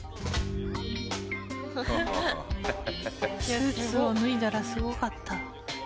スーツを脱いだらすごかった。